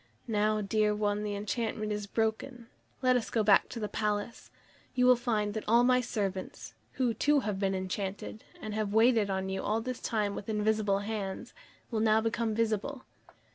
Now, dear one, the enchantment is broken; let us go back to my palace. You will find that all my servants who, too, have been enchanted, and have waited on you all this long time with invisible hands will now become visible."